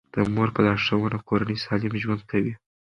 د مور په لارښوونه کورنۍ سالم ژوند کوي.